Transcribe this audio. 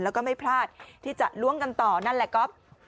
แล้วก็ไม่พลาดที่จะล้วงกันต่อนั่นแหละก๊อฟ